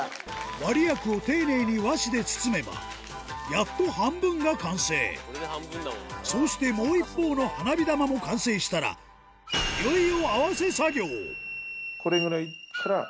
割薬を丁寧に和紙で包めばやっと半分が完成そうしてもう一方の花火玉も完成したらいよいよ一気に。